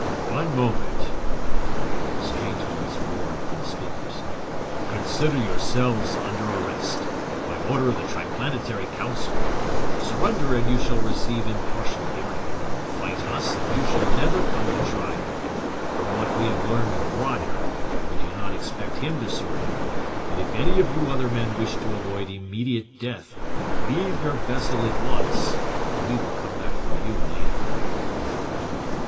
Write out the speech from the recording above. "One moment!" A strange voice roared from the speakers. "Consider yourselves under arrest, by order of the Triplanetary Council! Surrender and you shall receive impartial hearing; fight us and you shall never come to trial. From what we have learned of Roger, we do not expect him to surrender, but if any of you other men wish to avoid immediate death, leave your vessel at once. We will come back for you later."